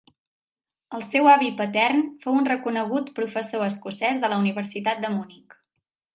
El seu avi patern fou un reconegut professor escocès de la Universitat de Munic.